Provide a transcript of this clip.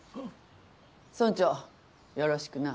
村長よろしくな。